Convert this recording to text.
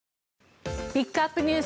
ピックアップＮＥＷＳ